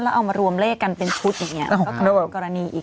แล้วเอามารวมเลขกันเป็นชุดอย่างนี้มันก็กลายเป็นกรณีอีก